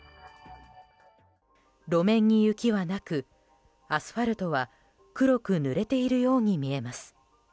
路面に雪はなくアスファルトは黒くぬれているように見えます。